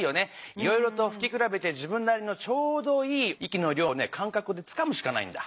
いろいろとふきくらべて自分なりのちょうどいい息の量をね感覚でつかむしかないんだ。